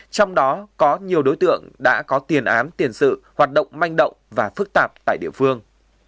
trong đó có nhiều đối tượng đã có tiền án tiền sự hoạt động manh động và phức tạp tại địa phương